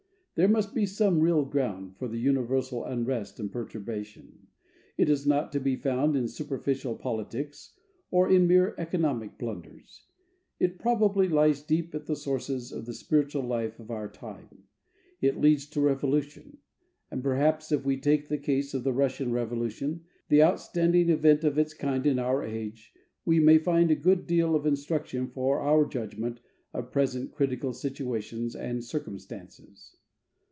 There must be some real ground for the universal unrest and perturbation. It is not to be found in superficial politics or in mere economic blunders. It probably lies deep at the sources of the spiritual life of our time. It leads to revolution; and perhaps if we take the case of the Russian Revolution, the outstanding event of its kind in our age, we may find a good deal of instruction for our judgment of present critical situations and circumstances.